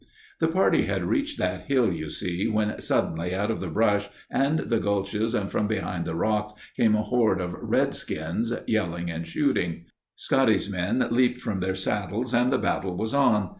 "The party had reached that hill you see when suddenly out of the brush and the gulches and from behind the rocks came a horde of 'redskins,' yelling and shooting. Scotty's men leaped from their saddles and the battle was on.